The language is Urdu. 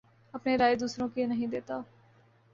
اپنے رائے دوسروں کے نہیں دیتا